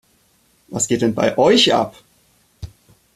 Was geht denn bei euch ab?